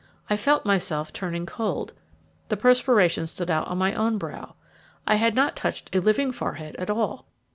I felt myself turning cold; the perspiration stood out on my own brow. I had not touched a living forehead at all.